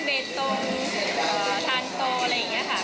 เบตงทานโตอะไรอย่างนี้ค่ะ